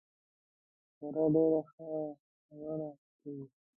سارا ډېره ښه غاړه کوي.